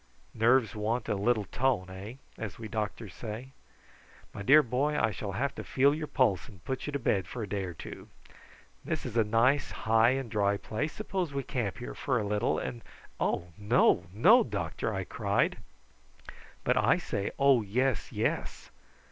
Nerves want a little tone, eh? as we doctors say. My dear boy, I shall have to feel your pulse and put you to bed for a day or two. This is a nice high and dry place: suppose we camp here for a little, and " "Oh no, no, doctor," I cried. "But I say, Oh yes, yes.